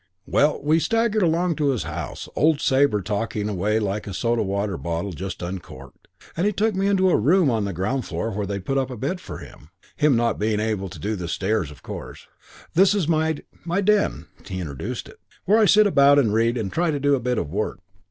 '" II "Well, we staggered along into the house, old Sabre talking away like a soda water bottle just uncorked, and he took me into a room on the ground floor where they'd put up a bed for him, him not being able to do the stairs, of course. 'This is my my den,' he introduced it, 'where I sit about and read and try to do a bit of work.'